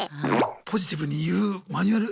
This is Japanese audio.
ポジティブに言うマニュアル。